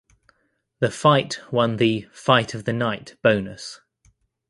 The fight won the "Fight of the Night" bonus.